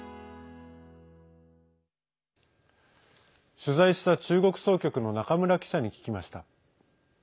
取材した中国総局の中村記者に聞きました。